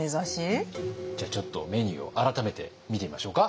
じゃあちょっとメニューを改めて見てみましょうか。